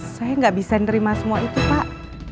saya nggak bisa nerima semua itu pak